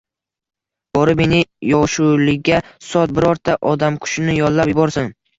Borib, meni Yoshulliga sot, birorta odamkushini yollab yuborsin